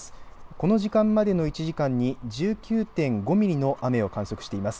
この時間までの１時間に１９．５ミリの雨を観測しています。